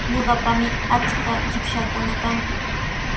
Ñuqapami achka chipshaakuna kan.